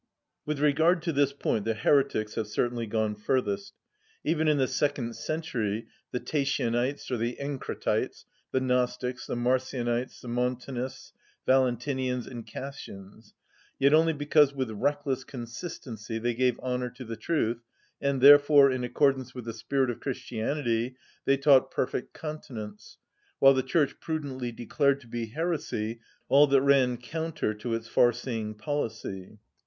With regard to this point the heretics have certainly gone furthest: even in the second century the Tatianites or Encratites, the Gnostics, the Marcionites, the Montanists, Valentinians, and Cassians; yet only because with reckless consistency they gave honour to the truth, and therefore, in accordance with the spirit of Christianity, they taught perfect continence; while the Church prudently declared to be heresy all that ran counter to its far‐seeing policy.